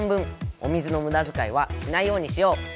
お水のむだづかいはしないようにしよう。